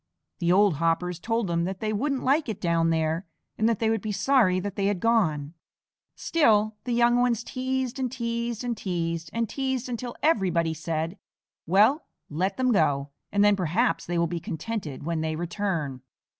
The old Hoppers told them that they wouldn't like it down there, and that they would be sorry that they had gone; still the young ones teased and teased and teased and teased until everybody said: "Well, let them go, and then perhaps they will be contented when they return."